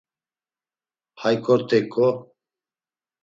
Hay kort̆eyǩo!